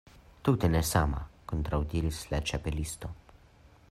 "Tute ne sama," kontraŭdiris la Ĉapelisto.